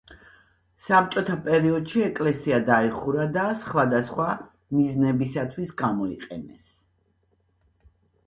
საბჭოთა პერიოდში ეკლესია დაიხურა და სხვადასხვა მიზნებისთვის გამოიყენეს.